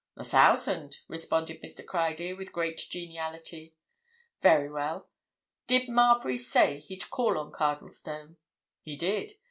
"A thousand!" responded Mr. Criedir with great geniality. "Very well. Did Marbury say he'd call on Cardlestone?" "He did.